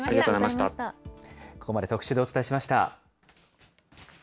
ここまで特集でお伝えしました。